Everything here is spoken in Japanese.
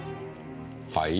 はい？